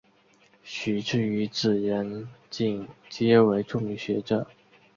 徐致愉子仁锦皆为著名学者。